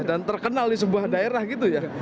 dan terkenal di sebuah daerah gitu ya